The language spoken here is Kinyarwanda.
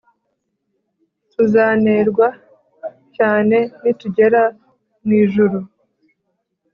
tuzanerwa cyane ni tugera mu ijuru